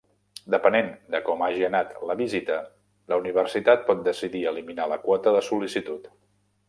Depenent de com hagi anat la visita, la universitat pot decidir eliminar la quota de sol·licitud.